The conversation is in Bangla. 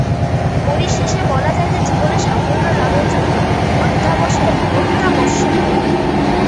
পরিশেষে বলা যায় যে, জীবনে সাফল্য লাভের জন্য অধ্যবসায় অত্যাবশ্যক।